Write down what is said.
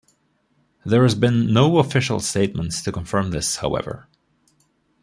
There has been no official statement to confirm this however.